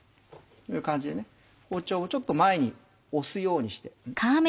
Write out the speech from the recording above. こういう感じでね包丁をちょっと前に押すようにして。